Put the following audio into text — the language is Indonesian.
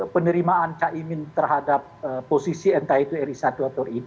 penerimaan caimin terhadap posisi entah itu ri satu atau id